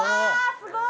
すごい！